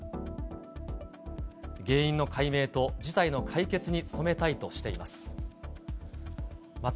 原因の解明と事態の解決に努めたいとしています。